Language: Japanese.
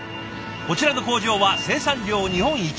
こちらの工場は生産量日本一。